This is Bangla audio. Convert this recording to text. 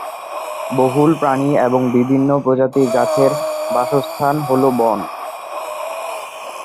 বহু প্রাণী এবং বিভিন্ন প্রজাতির গাছের বাসস্থান হলো বন।